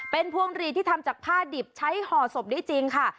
เป็นพวงหลีดที่ทำจากผ้าดิบใช้ห่อศพได้จริงค่ะ